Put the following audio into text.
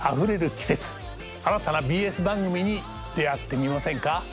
季節新たなＢＳ番組に出会ってみませんか？